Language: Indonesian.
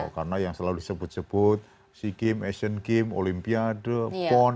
karena yang selalu disebut sebut si game action game olimpiade pon